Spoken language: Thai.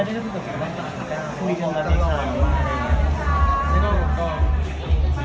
เอาเป็นว่าต่ำนะครับ